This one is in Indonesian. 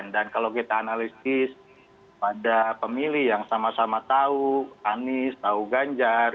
dan kalau kita analisis pada pemilih yang sama sama tahu anies tahu ganjar